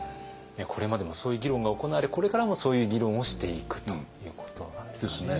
これまでもそういう議論が行われこれからもそういう議論をしていくということなんですかね。